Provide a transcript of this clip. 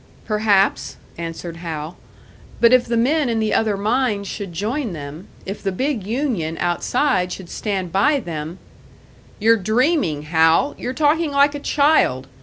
"Perhaps," answered Hal; "but if the men in the other mines should join them if the big union outside should stand by them " "You're dreaming, Hal! You're talking like a child!